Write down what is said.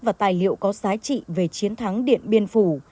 và tài liệu có giá trị về chiến thắng điện biên phủ